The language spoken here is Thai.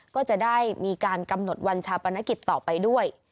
ก็จะได้มีการกำหนดวันชาปนกิจต่อไปด้วย